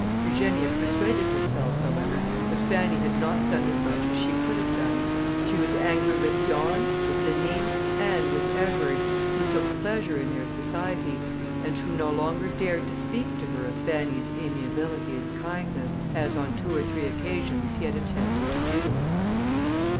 Eugenia persuaded herself, however, that Fanny had not done as much as she could have done. She was angry with the aunt, with the niece, and with Edward, who took pleasure in their society, and who no longer dared to speak to her of Fanny's amiability and kindness, as on two or three occasions he had attempted to do.